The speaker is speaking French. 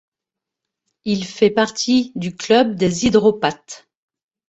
Il a fait partie du club des Hydropathes.